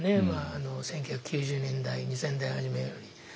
１９９０年代２０００年代初めより。